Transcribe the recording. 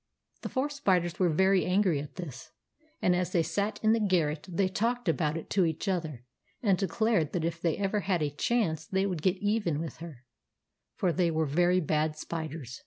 The four spiders were very angry at this ; and as they sat in the garret they talked about it to each other, and declared that if they ever had a chance they would get even with her ; for they were very bad spiders.